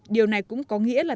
điều này cũng có nghĩa là